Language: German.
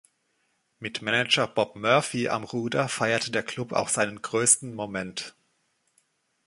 Mit Manager Bob Murphy am Ruder feierte der Klub auch seinen größten Moment.